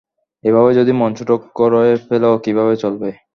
এভাবে যদি মন ছোট করে ফেলো কিভাবে চলবে?